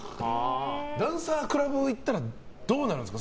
ダンサー、クラブ行ったらどうなるんですか。